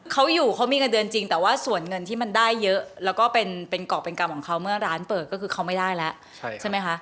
เขาอยู่เขามีเงินเดือนจริงแต่ว่าส่วนเงินที่มันได้เยอะแล้วก็เป็นกรอบเป็นกรรมของเขาเมื่อร้านเปิดก็คือเขาไม่ได้แล้วใช่ไหมคะ